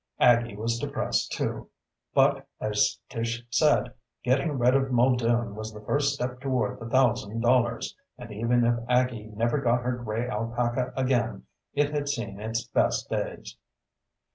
Aggie was depressed too. But, as Tish said, getting rid of Muldoon was the first step toward the thousand dollars, and even if Aggie never got her gray alpaca again it had seen its best days.